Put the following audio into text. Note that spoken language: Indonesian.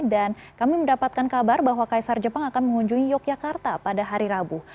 dan kami mendapatkan kabar bahwa kaisar jepang akan mengunjungi yogyakarta pada hari rabu